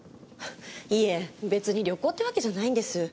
いえ別に旅行ってわけじゃないんです。